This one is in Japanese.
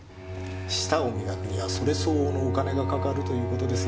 舌を磨くにはそれ相応のお金がかかるという事ですよ。